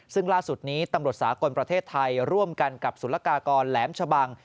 ซึ่งล่าสุดนี้ตำรวจสากลประเทศไทยร่วมกันกับสุรกากรแหลมชะบัง